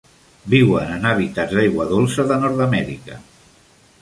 Viuen en hàbitats d'aigua dolça de Nord-Amèrica.